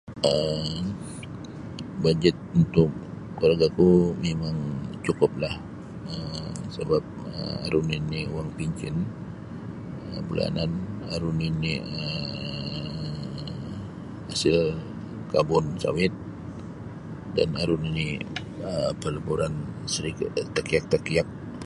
um bajet untuk keluargaku mimang cukuplah um sebab um aru nini wang pincin bulanan aru nini um hasil kabun sawit dan aru nini pelaburan sedikit takiak-takiak.